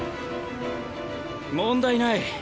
問題ない。